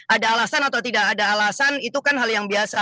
ada alasan atau tidak ada alasan itu kan hal yang biasa